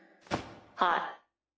はい。